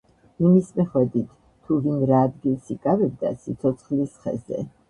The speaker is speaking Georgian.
იმის მიხედვით, თუ ვინ რა ადგილს იკავებდა სიცოცხლის ხეზე.